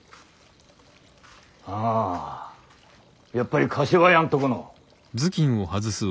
ああやっぱり柏屋んとこの。